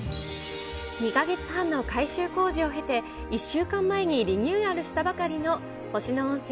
２か月半の改修工事を経て、１週間前にリニューアルしたばかりの星野温泉